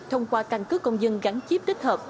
thông qua căn cứ công dân gắn chip tích hợp